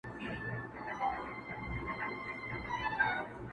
و گټه، پيل وڅټه.